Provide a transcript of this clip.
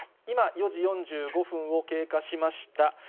今、４時４５分を経過しました。